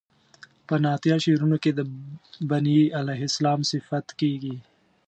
په نعتیه شعرونو کې د بني علیه السلام صفت کیږي.